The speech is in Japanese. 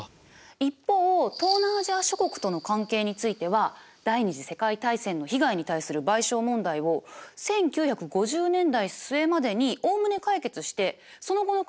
一方東南アジア諸国との関係については第二次世界大戦の被害に対する賠償問題を１９５０年代末までにおおむね解決してその後の関係の基礎を築いたの。